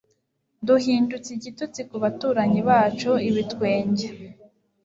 duhindutse igitutsi ku baturanyi bacu ibitwenges